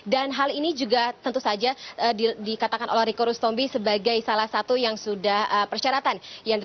dan hal ini juga tentu saja dikatakan oleh riko rustombe sebagai salah satu yang sudah persyaratan